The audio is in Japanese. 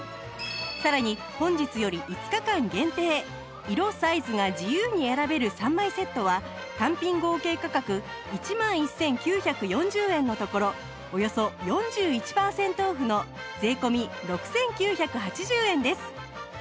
さらに本日より５日間限定色サイズが自由に選べる３枚セットは単品合計価格１万１９４０円のところおよそ４１パーセントオフの税込６９８０円です